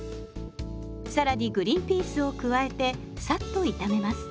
更にグリンピースを加えてさっと炒めます。